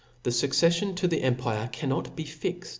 the fucccfllon to the empire cannot be fixt.